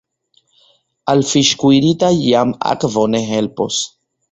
Al fiŝ' kuirita jam akvo ne helpos.